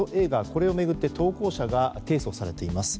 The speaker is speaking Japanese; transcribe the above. これを巡って投稿者が提訴されています。